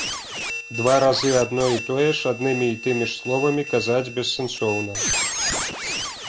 Два разы адно і тое ж аднымі і тымі ж словамі казаць бессэнсоўна.